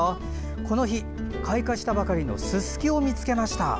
この日、開花したばかりのススキを見つけました。